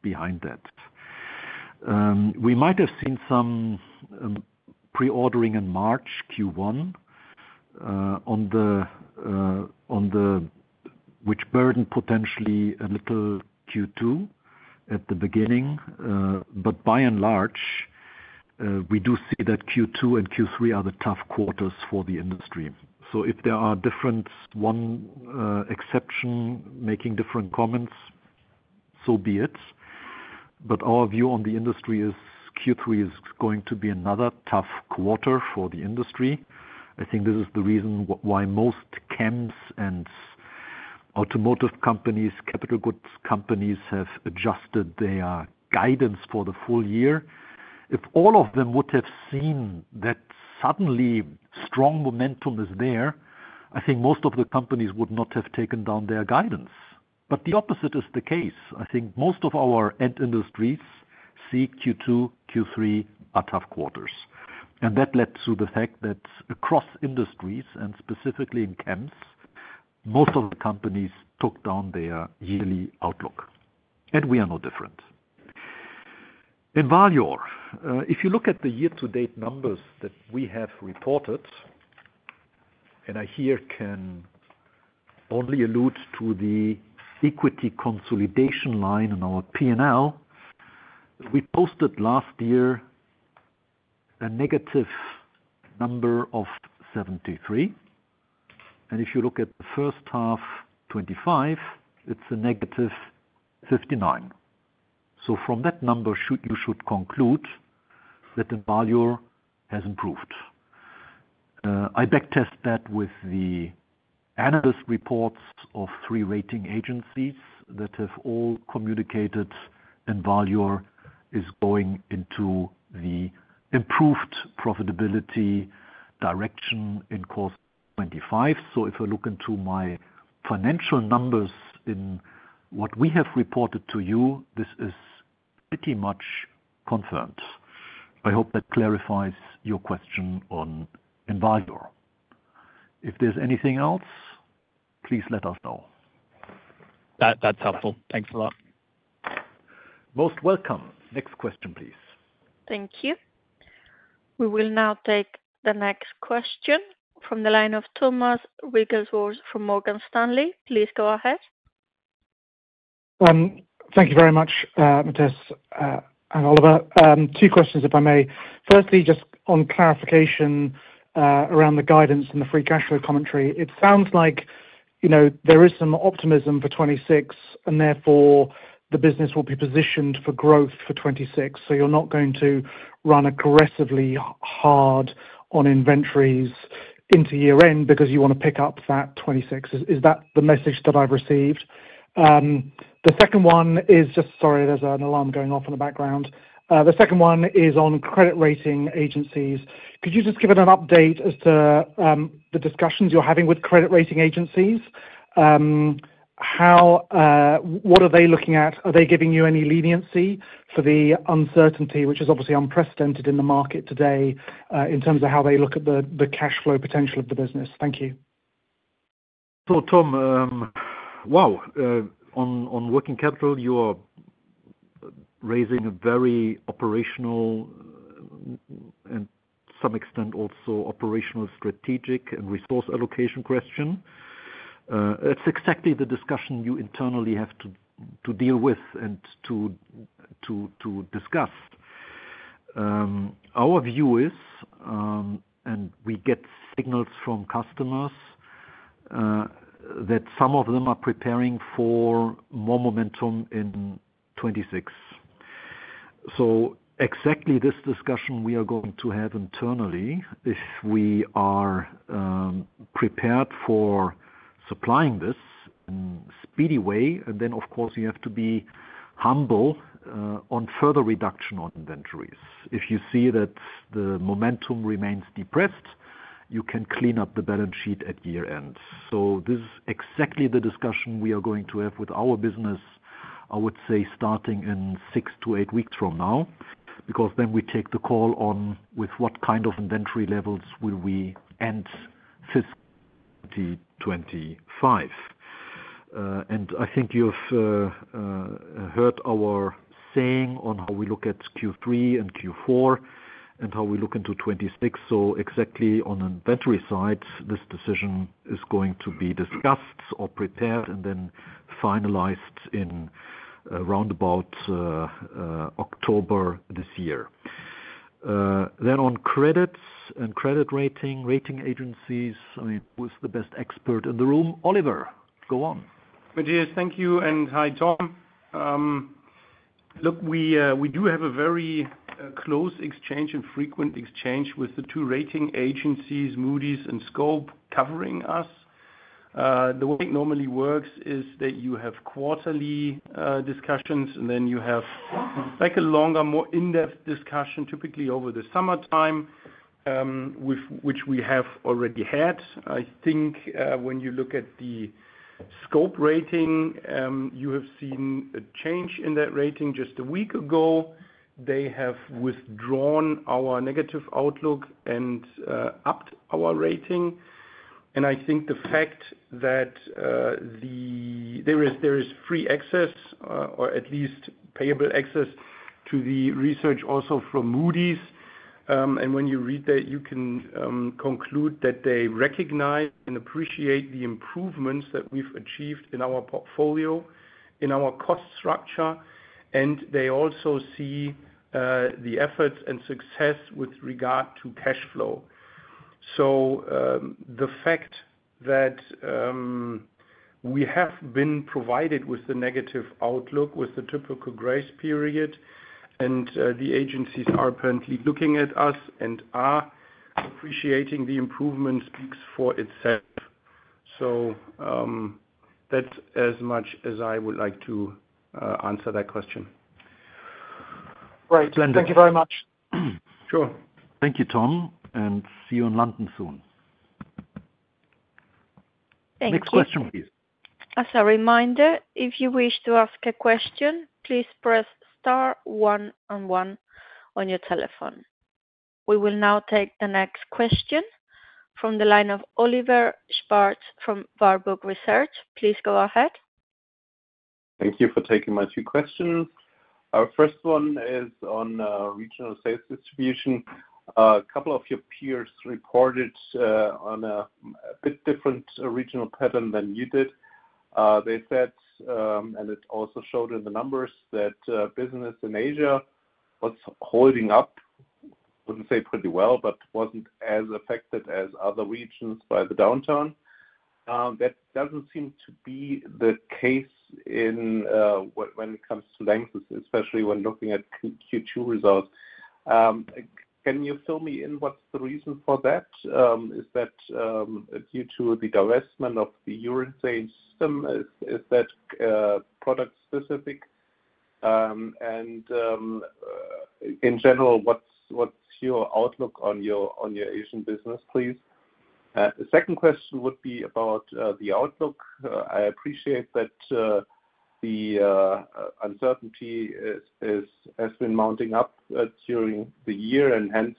behind that. We might have seen some pre-ordering in March Q1, which burdened potentially a little Q2 at the beginning. By and large, we do see that Q2 and Q3 are the tough quarters for the industry. If there are differences, one exception making different comments, so be it. Our view on the industry is Q3 is going to be another tough quarter for the industry. I think this is the reason why most CAMs and automotive companies, capital goods companies have adjusted their guidance for the full year. If all of them would have seen that suddenly strong momentum is there, I think most of the companies would not have taken down their guidance. The opposite is the case. I think most of our end industries see Q2, Q3 are tough quarters. That led to the fact that across industries and specifically in CAMs, most of the companies took down their yearly outlook. We are no different. In Envalior, if you look at the year-to-date numbers that we have reported, and I here can only allude to the equity consolidation line in our P&L, we posted last year a negative number of 73 million. If you look at the first half, 2025, it's a -59 million. From that number, you should conclude that Envalior has improved. I backtest that with the analyst reports of three credit rating agencies that have all communicated Envalior is going into the improved profitability direction in course 2025. If I look into my financial numbers in what we have reported to you, this is pretty much confirmed. I hope that clarifies your question on Envalior. If there's anything else, please let us know. That's helpful. Thanks a lot. Most welcome. Next question, please. Thank you. We will now take the next question from the line of Thomas Wrigglesworth from Morgan Stanley. Please go ahead. Thank you very much, Matthias and Oliver. Two questions, if I may. Firstly, just on clarification around the guidance and the free cash flow commentary. It sounds like there is some optimism for 2026, and therefore, the business will be positioned for growth for 2026. You are not going to run aggressively hard on inventories into year-end because you want to pick up that 2026. Is that the message that I've received? The second one is just, sorry, there's an alarm going off in the background. The second one is on credit rating agencies. Could you just give an update as to the discussions you're having with credit rating agencies? What are they looking at? Are they giving you any leniency for the uncertainty, which is obviously unprecedented in the market today in terms of how they look at the cash flow potential of the business? Thank you. Tom, wow. On working capital, you are raising a very operational and to some extent also operational strategic and resource allocation question. That's exactly the discussion you internally have to deal with and to discuss. Our view is, and we get signals from customers that some of them are preparing for more momentum in 2026. Exactly this discussion we are going to have internally if we are prepared for supplying this in a speedy way. Of course, you have to be humble on further reduction on inventories. If you see that the momentum remains depressed, you can clean up the balance sheet at year-end. This is exactly the discussion we are going to have with our business, I would say, starting in six to eight weeks from now because then we take the call on with what kind of inventory levels will we end fiscal year 2025. I think you've heard our saying on how we look at Q3 and Q4 and how we look into 2026. Exactly on the inventory side, this decision is going to be discussed or prepared and then finalized in around about October this year. On credits and credit rating, rating agencies, I mean, who's the best expert in the room? Oliver, go on. Matthias, thank you. Hi, Tom. We do have a very close exchange and frequent exchange with the two rating agencies, Moody's and Scope, covering us. The way it normally works is that you have quarterly discussions, and then you have a longer, more in-depth discussion, typically over the summertime, which we have already had. I think when you look at the Scope rating, you have seen a change in that rating just a week ago. They have withdrawn our negative outlook and upped our rating. I think the fact that there is free access or at least payable access to the research also from Moody's, and when you read that, you can conclude that they recognize and appreciate the improvements that we've achieved in our portfolio, in our cost structure, and they also see the efforts and success with regard to cash flow. The fact that we have been provided with the negative outlook, with the typical grace period, and the agencies are apparently looking at us and are appreciating the improvements speaks for itself. That's as much as I would like to answer that question. Great. Thank you very much. Sure. Thank you, Tom. See you in London soon. Thank you. Next question, please. As a reminder, if you wish to ask a question, please press star one and one on your telephone. We will now take the next question from the line of Oliver Schwarz from Warburg Research. Please go ahead. Thank you for taking my two questions. Our first one is on regional sales distribution. A couple of your peers reported on a bit different regional pattern than you did. They said, and it also showed in the numbers, that business in Asia was holding up, I wouldn't say pretty well, but wasn't as affected as other regions by the downturn. That doesn't seem to be the case when it comes to LANXESS, especially when looking at Q2 results. Can you fill me in what's the reason for that? Is that due to the divestment of the Urethane Systems? Is that product-specific? In general, what's your outlook on your Asian business, please? The second question would be about the outlook. I appreciate that the uncertainty has been mounting up during the year, and hence,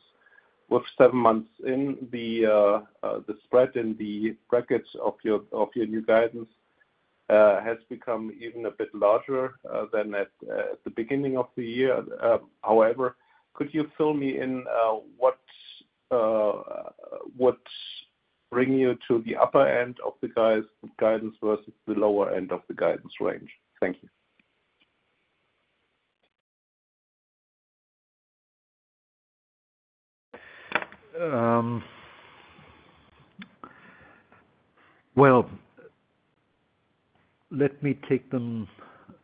with seven months in, the spread in the brackets of your new guidance has become even a bit larger than at the beginning of the year. However, could you fill me in what would bring you to the upper end of the guidance versus the lower end of the guidance range? Thank you. Let me take them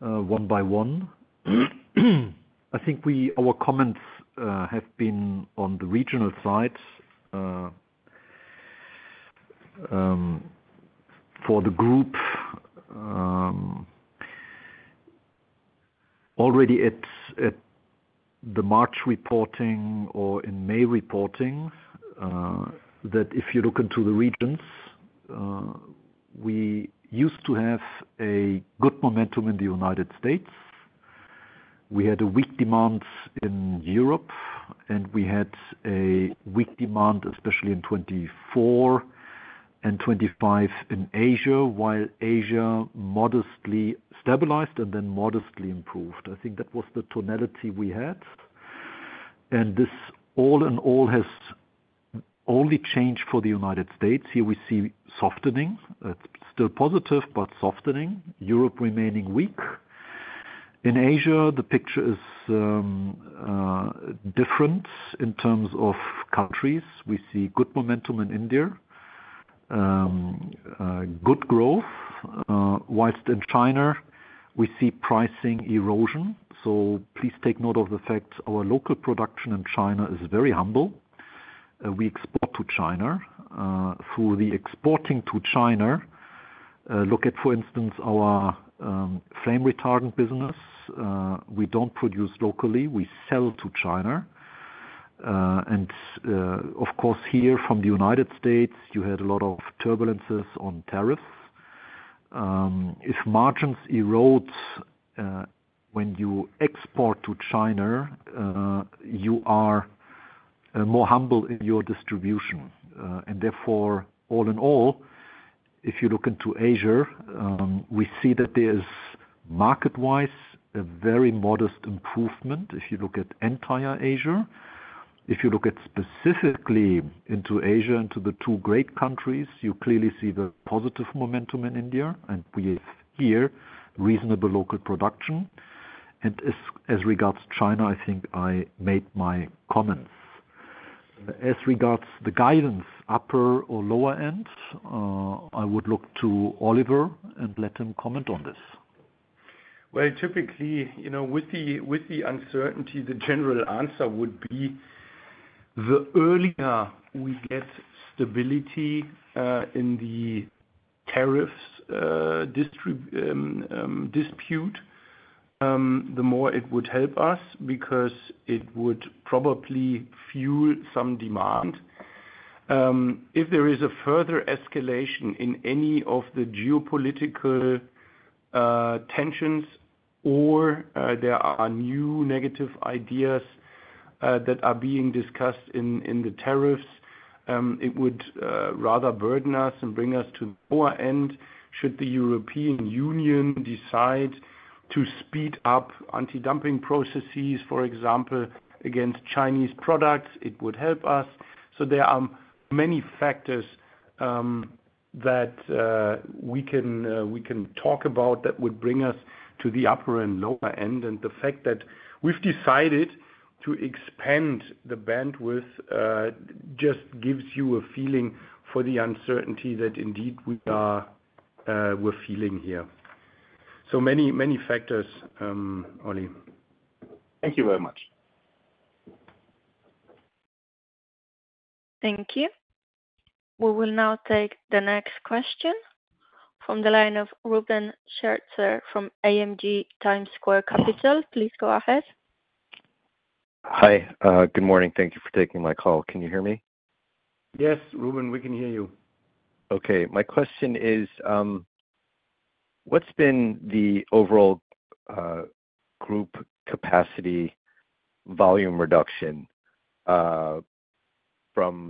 one by one. I think our comments have been on the regional side. For the group, already at the March reporting or in May reporting, that if you look into the regions, we used to have a good momentum in the United States. We had a weak demand in Europe, and we had a weak demand, especially in 2024 and 2025 in Asia, while Asia modestly stabilized and then modestly improved. I think that was the tonality we had. This all in all has only changed for the United States. Here we see softening. It's still positive, but softening. Europe remaining weak. In Asia, the picture is different in terms of countries. We see good momentum in India, good growth. Whilst in China, we see pricing erosion. Please take note of the fact our local production in China is very humble. We export to China. Through the exporting to China, look at, for instance, our flame retardant business. We don't produce locally. We sell to China. Of course, here from the United States, you had a lot of turbulences on tariffs. If margins erode when you export to China, you are more humble in your distribution. Therefore, all in all, if you look into Asia, we see that there is market-wise a very modest improvement if you look at entire Asia. If you look specifically into Asia and to the two great countries, you clearly see the positive momentum in India, and we hear reasonable local production. As regards to China, I think I made my comments. As regards to the guidance, upper or lower end, I would look to Oliver and let him comment on this. Typically, you know with the uncertainty, the general answer would be the earlier we get stability in the tariffs dispute, the more it would help us because it would probably fuel some demand. If there is a further escalation in any of the geopolitical tensions or there are new negative ideas that are being discussed in the tariffs, it would rather burden us and bring us to the lower end. Should the European Union decide to speed up anti-dumping processes, for example, against Chinese products, it would help us. There are many factors that we can talk about that would bring us to the upper and lower end. The fact that we've decided to expand the bandwidth just gives you a feeling for the uncertainty that indeed we're feeling here. Many, many factors, Oli. Thank you very much. Thank you. We will now take the next question from the line of Reuben Scherzer from AMG TimesSquare Capital. Please go ahead. Hi. Good morning. Thank you for taking my call. Can you hear me? Yes, Reuben, we can hear you. Okay. My question is, what's been the overall group capacity volume reduction from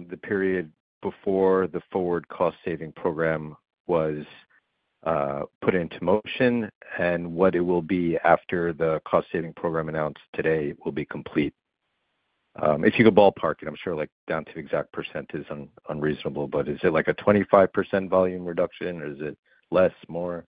the period before the FORWARD! action plan cost-saving program was put into motion and what it will be after the cost-saving program announced today will be complete? If you could ballpark it, I'm sure like down to exact percentage is unreasonable, but is it like a 25% volume reduction or is it less, more?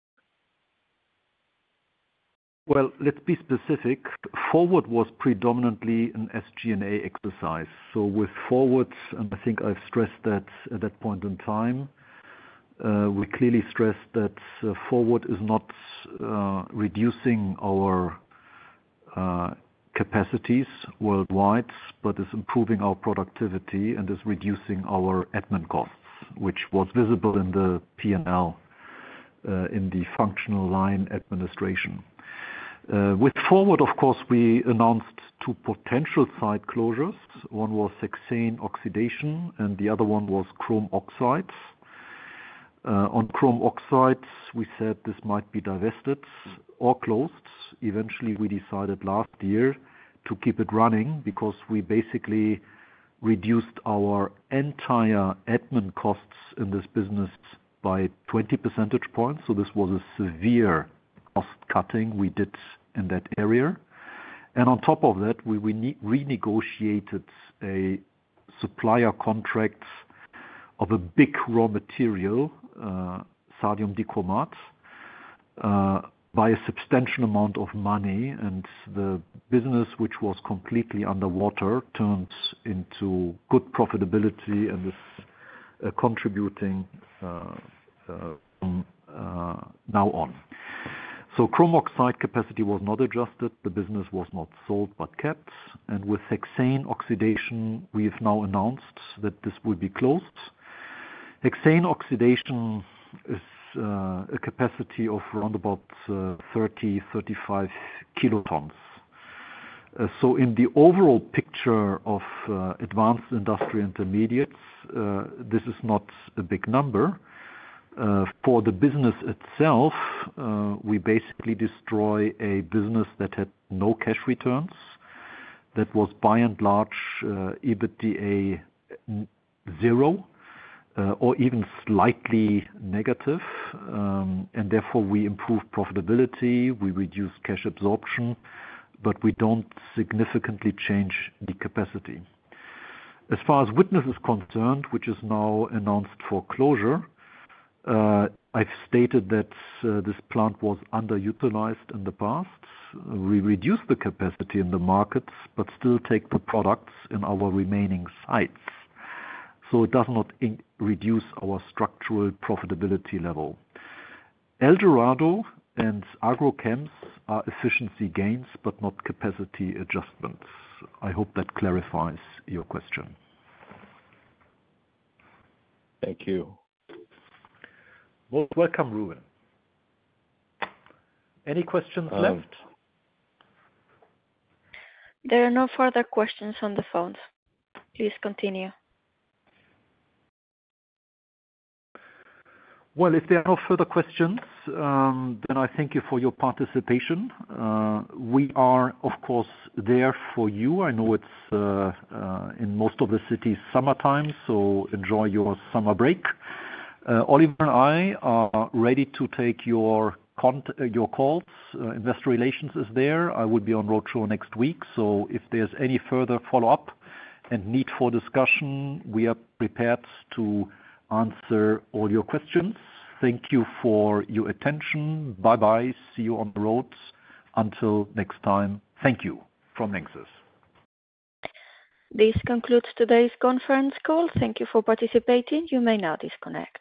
Let's be specific. FORWARD! was predominantly an SG&A exercise. With FORWARD!, and I think I've stressed that at that point in time, we clearly stressed that FORWARD! is not reducing our capacities worldwide, but it's improving our productivity and is reducing our admin costs, which was visible in the P&L in the functional line administration. With FORWARD!, of course, we announced two potential site closures. One was hexane oxidation and the other one was chrome oxides. On chrome oxides, we said this might be divested or closed. Eventually, we decided last year to keep it running because we basically reduced our entire admin costs in this business by 20%. This was a severe cost cutting we did in that area. On top of that, we renegotiated a supplier contract of a big raw material, sodium dichromate, by a substantial amount of money. The business, which was completely underwater, turns into good profitability and is contributing from now on. Chrome oxide capacity was not adjusted. The business was not sold by caps. With hexane oxidation, we have now announced that this will be closed. Hexane oxidation is a capacity of around about 30, 35 kilotons. In the overall picture of Advanced Industrial Intermediates, this is not a big number. For the business itself, we basically destroy a business that had no cash returns, that was by and large EBITDA zero or even slightly negative. Therefore, we improve profitability. We reduce cash absorption, but we don't significantly change the capacity. As far as Widnes is concerned, which is now announced for closure, I've stated that the plant was underutilized in the past. We reduced the capacity in the markets, but still take the products in our remaining sites. It does not reduce our structural profitability level. Eldorado and agrochemicals are efficiency gains but not capacity adjustments. I hope that clarifies your question. Thank you. Welcome, Reuben. Any questions left? There are no further questions on the phones. Please continue. If there are no further questions, then I thank you for your participation. We are, of course, there for you. I know it's, in most of the cities, summertime, so enjoy your summer break. Oliver and I are ready to take your calls. Investor relations is there. I will be on roadshow next week. If there's any further follow-up and need for discussion, we are prepared to answer all your questions. Thank you for your attention. Bye-bye. See you on the roads. Until next time, thank you from LANXESS. This concludes today's conference call. Thank you for participating. You may now disconnect.